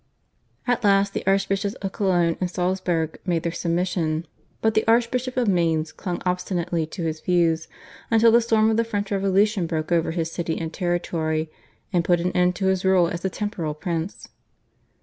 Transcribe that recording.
At last the Archbishops of Cologne and Salzburg made their submission, but the Archbishop of Mainz clung obstinately to his views, until the storm of the French Revolution broke over his city and territory, and put an end to his rule as a temporal prince.